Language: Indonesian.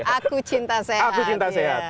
aku cinta sehat